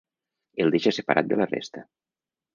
El deixa separat de la resta.